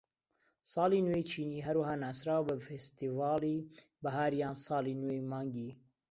ساڵی نوێی چینی هەروەها ناسراوە بە فێستیڤاڵی بەهار یان ساڵی نوێی مانگی.